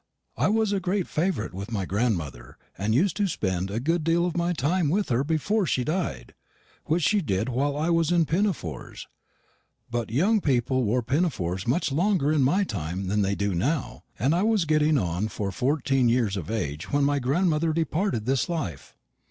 "I was a great favourite with my grandmother, and used to spend a good deal of my time with her before she died which she did while I was in pinafores; but young people wore pinafores much longer in my time than they do now; and I was getting on for fourteen years of age when my grandmother departed this life.